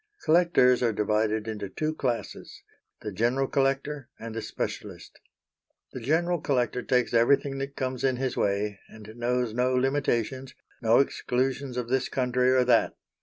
Collectors are divided into two classes the general collector and the specialist. The general collector takes everything that comes in his way, and knows no limitations, no exclusions of this country or that.